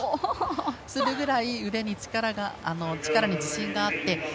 それぐらい腕の力に自信があって。